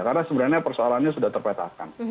karena sebenarnya persoalannya sudah terpetahkan